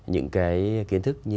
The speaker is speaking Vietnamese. những cái kiến thức như là